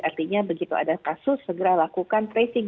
artinya begitu ada kasus segera lakukan tracing